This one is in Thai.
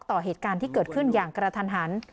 ต่อเหตุการณ์ที่เกิดขึ้นอย่างกระทันหัน